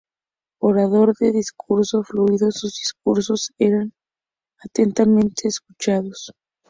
Orador de discurso fluido, sus discursos eran atentamente escuchados.